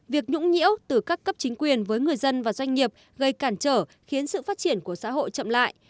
việc nhũng nhiễu từ các cấp chính quyền với người dân và doanh nghiệp gây cản trở khiến sự phát triển của xã hội chậm lại